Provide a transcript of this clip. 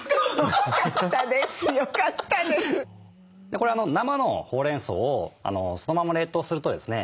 これ生のほうれんそうをそのまま冷凍するとですね